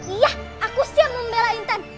iya aku siap membela intan